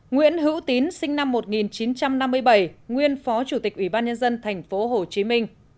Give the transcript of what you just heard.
nguyễn hữu tín sinh năm một nghìn chín trăm năm mươi bảy nguyên phó chủ tịch ủy ban nhân dân tp hcm